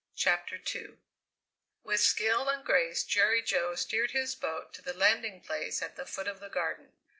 CHAPTER II With skill and grace Jerry Jo steered his boat to the landing place at the foot of the garden.